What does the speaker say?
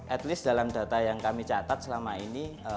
at least dalam data yang kami catat selama ini